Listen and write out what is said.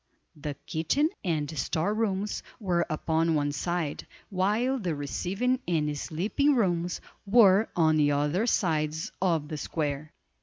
The kitchen and store rooms were upon one side, while the receiving and sleeping rooms were on the other sides of the square.